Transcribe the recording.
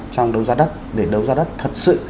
trong đấu ra đất để đấu ra đất thật sự